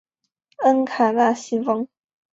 恩卡纳西翁。